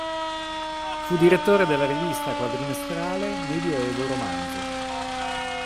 Fu direttore della rivista quadrimestrale "Medioevo Romanzo".